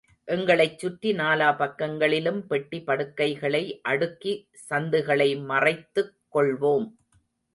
எங்களைச் சுற்றி நாலா பக்கங்களிலும் பெட்டி, படுக்கைகளை அடுக்கி சந்துகளை மறைத்துக் கொள்வோம்.